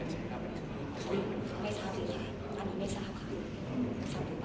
เอาจริงเรื่องความรักมันไม่มีใครโง่ไม่มีใครชะละค่ะ